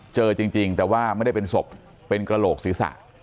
เจอจริงแต่ว่าไม่ได้เป็นศพเป็นกระโหลกศีรษะ